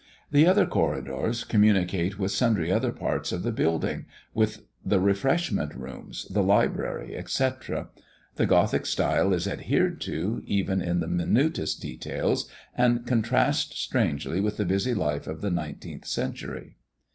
The other corridors communicate with sundry other parts of the building, with the refreshment rooms, the library, etc. The Gothic style is adhered to, even in the minutest details, and contrasts strangely with the busy life of the nineteenth century.